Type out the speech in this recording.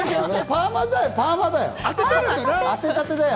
パーマだよ！